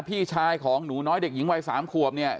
พี่ชายของหนูน้อยเด็กหญิงวัย๓ขวบเนี่ย